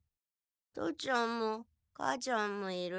父ちゃんも母ちゃんもいる。